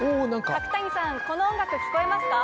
角谷さんこの音楽、聞こえますか。